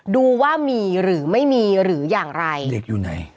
ดูว่ามีหรือไม่มีหรืออย่างไรเด็กอยู่ไหน